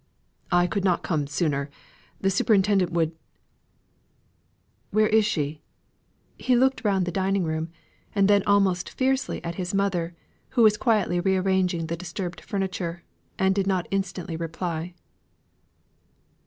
"I could not come sooner: the superintendent would Where is she?" He looked round the dining room, and then almost fiercely at his mother, who was quietly re arranging the disturbed furniture, and did not instantly reply.